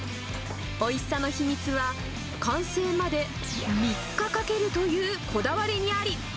おいしさの秘密は、完成まで３日かけるというこだわりにあり。